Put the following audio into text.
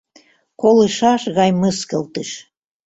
Колышаш гай мыскылтыш!..